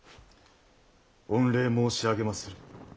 御礼申し上げまする。